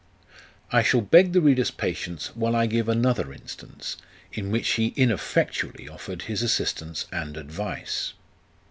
I shall beg the reader's patience, while I give another instance, in which he ineffectually offered his assistance and advice.